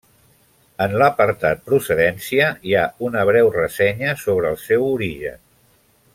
En l'apartat procedència hi ha una breu ressenya sobre el seu origen.